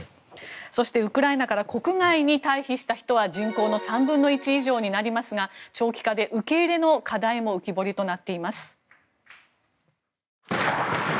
そしてウクライナから国外に退避した人は人口の３分の１以上になりますが長期化で、受け入れの課題も浮き彫りとなっています。